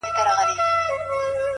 راډيو-